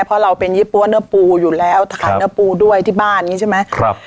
เพราะเราเป็นยี่ปั้วเนื้อปูอยู่แล้วขายเนื้อปูด้วยที่บ้านอย่างนี้ใช่ไหมครับ